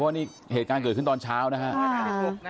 ว่านี่เหตุการณ์เกิดขึ้นตอนเช้านะครับ